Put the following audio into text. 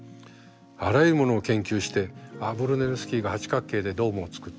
あらゆるものを研究して「ブルネレスキが八角形でドームを作った。